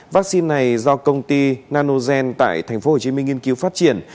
vaccine này do công ty nanogen tại tp hcm nghiên cứu phát triển